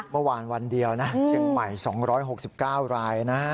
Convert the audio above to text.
เมื่อวานวันเดียวนะเชียงใหม่๒๖๙รายนะฮะ